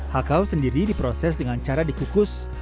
hakau sendiri diproses dengan cara dikukus